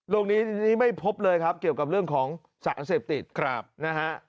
นี้ไม่พบเลยครับเกี่ยวกับเรื่องของสารเสพติดนะฮะ